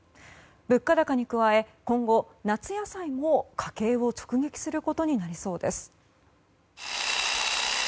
物価高に加え、今後夏野菜も家計を直撃することになりそうなんです。